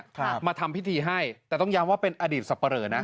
ค่ะมาทำพิธีให้แต่ต้องย้ำว่าเป็นอดีตสเปริร์นะ